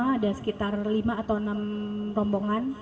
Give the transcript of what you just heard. ada sekitar lima atau enam rombongan